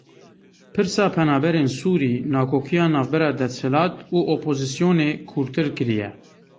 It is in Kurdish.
Pirsa penaberên Sûrî nakokiya navbera desthilat û opozisyonê kûrtir kiriye.